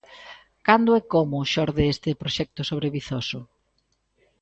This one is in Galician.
Cando e como xorde este proxecto sobre Vizoso?